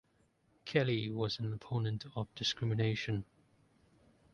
Kelly was an opponent of discrimination.